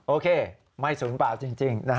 โอเคไม่ศูนย์เปล่าจริง